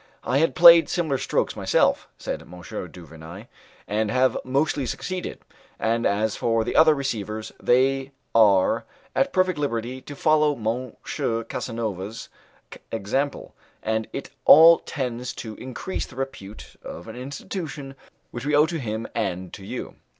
"I have played similar strokes myself," said M. du Vernai, "and have mostly succeeded; and as for the other receivers they are at perfect liberty to follow M. Casanova's example, and it all tends to increase the repute of an institution which we owe to him and to you."